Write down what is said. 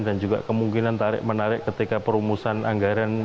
dan juga kemungkinan menarik ketika perumusan anggaran